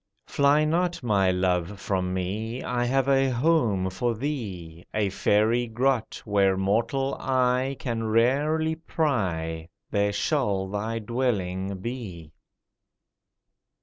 Fly not, my love, from me— I have a home for thee— A fairy grot, Where mortal eye Can rarely pry, There shall thy dwelling be!